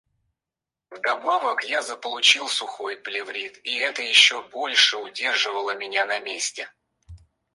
Вдобавок я заполучил сухой плеврит, и это ещё больше удерживало меня на месте.